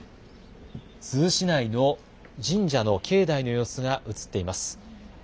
珠洲市内の神社の境内の様子が映っています。